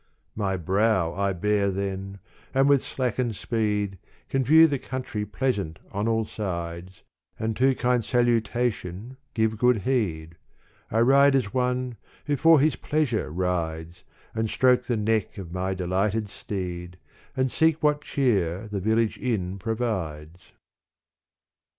My brow I bare then and with slackened speed Can view the country pleasant on all sides And to kind salutation give good heed. I ride as one who for his pleasure rides And stroke the neck of my delighted steed And seek what cheer the village inn provides.